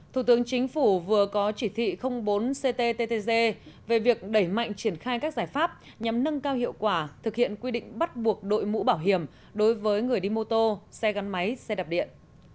thủ tướng chính phủ vừa có chỉ thị bốn cttg về việc đẩy mạnh triển khai các giải pháp nhằm nâng cao hiệu quả thực hiện quy định bắt buộc đội mũ bảo hiểm đối với người đi mô tô xe gắn máy xe đạp điện